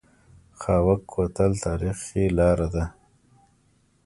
خاوک کوتل تاریخي لاره ده؟